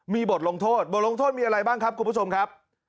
มีบทลงโทษบทลงโทษมีอะไรบ้างครับ